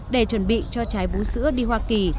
để chuẩn bị cho trái bú sữa đi hoa kỳ